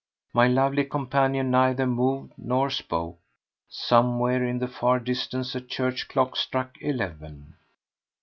My lovely companion neither moved nor spoke. Somewhere in the far distance a church clock struck eleven.